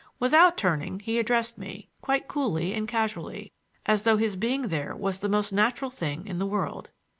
Without turning he addressed me, quite coolly and casually, as though his being there was the most natural thing in the world.